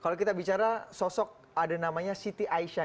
kalau kita bicara sosok ada namanya siti aisyah